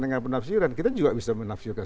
dengan penafsiran kita juga bisa menafsirkan